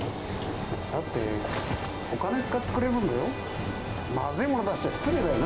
だって、お金使ってくれるのよ。